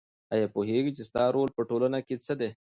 آیا پوهېږې چې ستا رول په ټولنه کې څه دی؟